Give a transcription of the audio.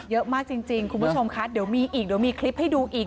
เยอะมากจริงคุณผู้ชมคะเดี๋ยวมีอีกเดี๋ยวมีคลิปให้ดูอีก